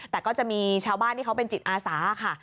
แต่ก็จะมีชาวบ้านที่เขาเป็นจิตอาสาค่ะ